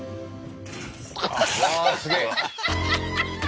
うわすげえ！